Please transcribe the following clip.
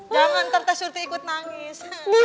jangan terteh surti ikut nangis